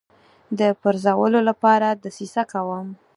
د پرزولو لپاره دسیسه کوم.